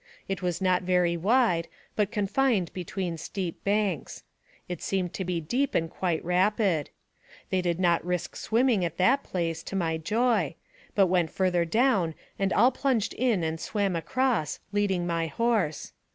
It was not very wide, but confined between steep banks; it seemed to be deep and quite rapid ; they did not risk swimming at that place, to my joy, but went further down and all plunged in and swam across, leading my horse.